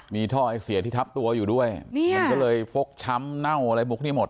มีท่อไอเสียที่ทับตัวอยู่ด้วยมันก็เลยฟกช้ำเน่าอะไรพวกนี้หมด